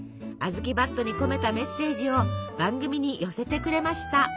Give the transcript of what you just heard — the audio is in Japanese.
あずきばっとに込めたメッセージを番組に寄せてくれました。